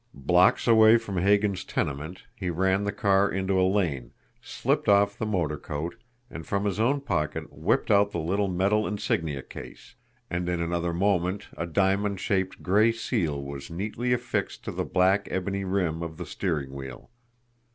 Blocks away from Hagan's tenement, he ran the car into a lane, slipped off the motor coat, and from his pocket whipped out the little metal insignia case and in another moment a diamond shaped gray seal was neatly affixed to the black ebony rim of the steering wheel.